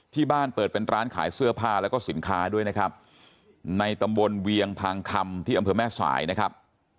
ที่บ้านเปิดเป็นร้านขายเสื้อผ้าแล้วก็สินค้าด้วยนะครับในตำบลเวียงพางคำที่อำเภอแม่สายนะครับ